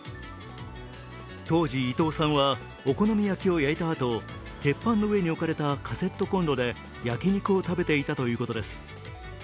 当時伊藤さんはお好み焼きを焼いたあと、鉄板の上に置かれたカセットコンロで焼き肉を食べていたということです。